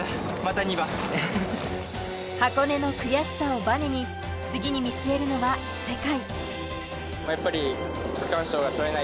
箱根の悔しさをバネに次に見据えるのは世界。